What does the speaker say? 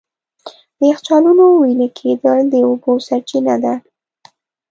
د یخچالونو وېلې کېدل د اوبو سرچینه ده.